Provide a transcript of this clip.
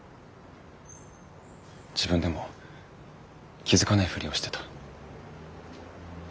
自分でも気付かないふりをしてた。